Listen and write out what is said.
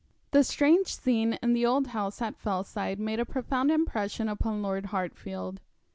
That strange scene in the old house at Fellside made a profound impression upon Lord Hartfield.